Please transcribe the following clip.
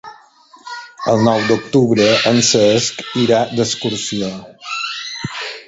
El nou d'octubre en Cesc irà d'excursió.